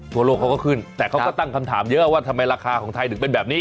ทั่วโลกเขาก็ขึ้นแต่เขาก็ตั้งคำถามเยอะว่าทำไมราคาของไทยถึงเป็นแบบนี้